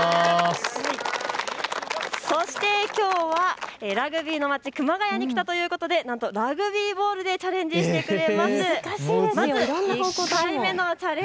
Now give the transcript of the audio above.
そしてきょうはラグビーの町、熊谷に来たということでなんとラグビーボールでチャレンジしてくれます。